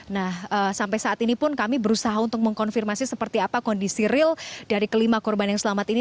nah sampai saat ini pun kami berusaha untuk mengkonfirmasi seperti apa kondisi real dari kelima korban yang selamat ini